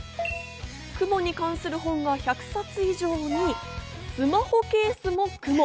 雲に関する本が１００冊以上に、スマホケースも雲。